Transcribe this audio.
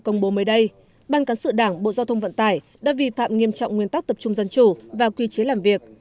công bố mới đây ban cán sự đảng bộ giao thông vận tải đã vi phạm nghiêm trọng nguyên tắc tập trung dân chủ và quy chế làm việc